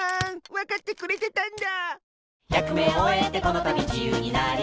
わかってくれてたんだ！